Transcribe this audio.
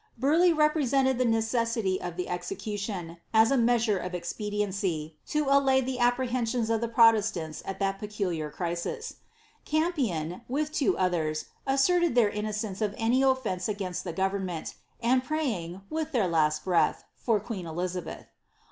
Burleigh represented the necessity of the execution, lure of expediency, to allay the apprehensions of the protestants sculiar crisis.' Campiau, with two others, asserted their inno any ofieuce against the government, and praying, with their ih, for queen Elizabeth.'